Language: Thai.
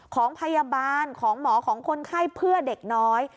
ของพยาบาลของหมอของคนไข้เพื่อเด็กน้อย